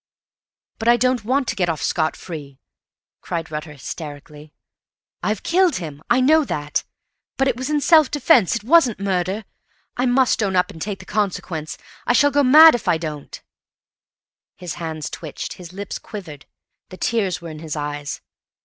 "But I don't want to get off scotfree," cried Rutter hysterically. "I've killed him. I know that. But it was in self defence; it wasn't murder. I must own up and take the consequences. I shall go mad if I don't!" His hands twitched; his lips quivered; the tears were in his eyes.